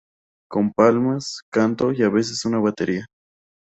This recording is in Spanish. Con palmas, canto y a veces una batería.